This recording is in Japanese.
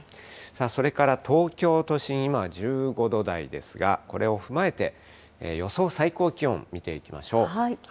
それから東京都心、今は１５度台ですが、これを踏まえて、予想最高気温見ていきましょう。